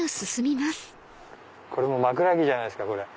これも枕木じゃないですか。